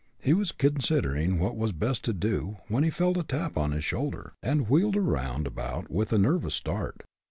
He was considering what was best to do, when he felt a tap upon his shoulder, and wheeled about with a nervous start.